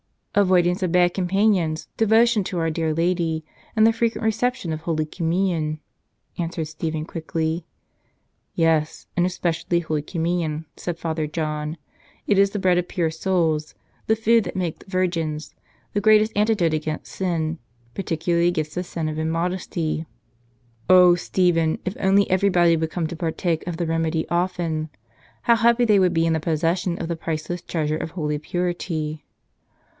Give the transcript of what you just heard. "Avoidance of bad companions, devotion to our dear Lady, and the frequent reception of Holy Com¬ munion," answered Stephen quickly. "Yes; and especially Holy Communion," said Father John. "It is the bread of pure souls, the food that makes virgins, the great antidote against sin, particu¬ larly against the sin of immodesty. Oh, Stephen, if only everybody would come to partake of the remedy often ! How happy they would be in the possession of the priceless treasure of holy purity